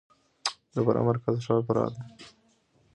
د فراه مرکزي ښار فراه دی.